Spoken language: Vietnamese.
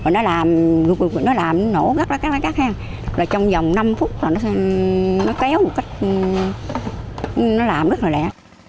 nó làm nổ gắt ra các hang trong vòng năm phút nó kéo một cách nó làm rất là lẹ